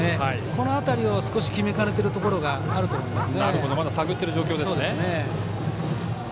この辺りを少し決めかねてるところがあると思います。